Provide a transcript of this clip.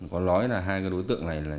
có nói là hai đối tượng này là